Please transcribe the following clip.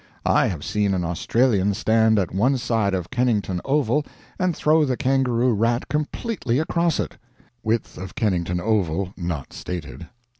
I have seen an Australian stand at one side of Kennington Oval and throw the kangaroo rat completely across it." (Width of Kennington Oval not stated.)